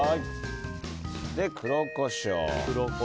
黒コショウ。